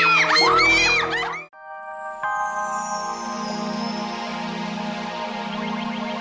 terus dia nolongin gue